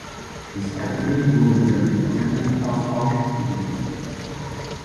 Des Weiteren wurde der Gefangenenaustausch geregelt.